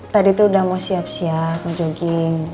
tadi tuh udah mau siap siap ngejogging